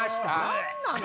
何なの！